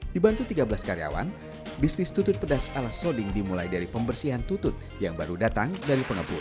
dibantu tiga belas karyawan bisnis tutut pedas ala soding dimulai dari pembersihan tutut yang baru datang dari pengepul